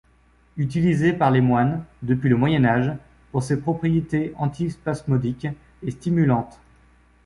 Utilisée par les moines, depuis le Moyen Âge, pour ses propriétés antispasmodiques et stimulantes.